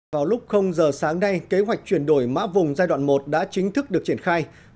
vào lúc giờ sáng nay kế hoạch chuyển đổi mã vùng giai đoạn một đã chính thức được triển khai